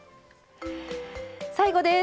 最後です。